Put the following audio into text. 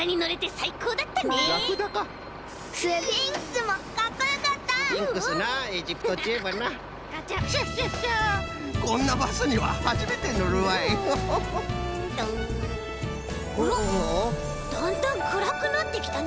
だんだんくらくなってきたね。